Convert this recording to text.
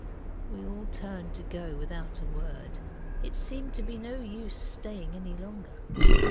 We all turned to go without a word, it seemed to be no use staying any longer.